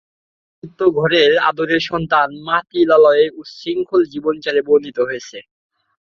উচ্চবিত্ত ঘরের আদুরে সন্তান মতিলালের উচ্ছৃঙ্খল জীবনাচার এতে বর্ণিত হয়েছে।